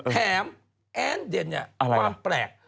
แถมแอ้นเดนเนี่ยความแปลก